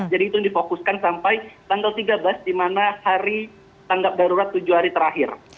itu yang difokuskan sampai tanggal tiga belas di mana hari tanggap darurat tujuh hari terakhir